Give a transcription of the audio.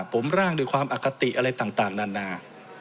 ผมร่างด้วยความอคติอะไรต่างนานา